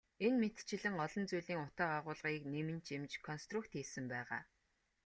Энэ мэтчилэн олон зүйлийн утга агуулгыг нэмэн чимж консрукт хийсэн байгаа.